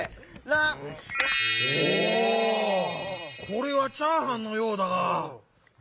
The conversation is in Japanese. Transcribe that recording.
これは「チャーハン」のようだが。